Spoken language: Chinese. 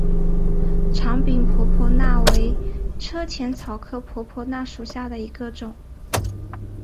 长柄婆婆纳为车前草科婆婆纳属下的一个种。